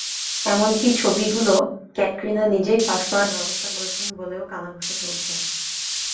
এমনকি ছবিগুলো ক্যাটরিনা নিজেই ফাঁস করার ব্যবস্থা করেছেন বলেও কানাঘুষা চলছে।